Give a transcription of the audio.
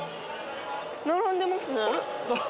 並んでますねあれ？